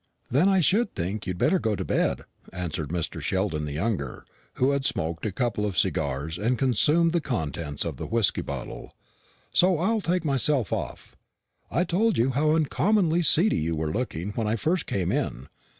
"Then I should think you'd better go to bed," answered Mr. Sheldon the younger, who had smoked a couple of cigars, and consumed the contents of the whisky bottle; "so I'll take myself off. I told you how uncommonly seedy you were looking when I first came in.